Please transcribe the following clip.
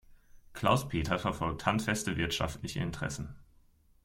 Klaus-Peter verfolgt handfeste wirtschaftliche Interessen.